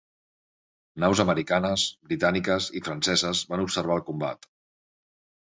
Naus americanes, britàniques i franceses van observar el combat.